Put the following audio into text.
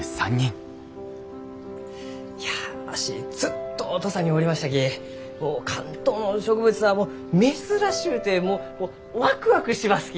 いやわしずっと土佐におりましたき関東の植物はもう珍しゅうてもうワクワクしますき！